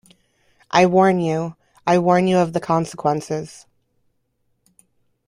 I warn you, I warn you of the consequences.